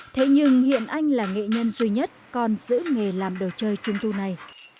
thế nhưng hiện anh là nghệ nhân duy nhất còn giữ nghề làm đồ chơi trung thu này